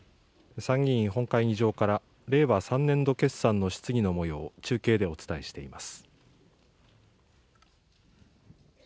参議院本会議場から、令和３年度決算の質疑のもようを中継でお伝えしています。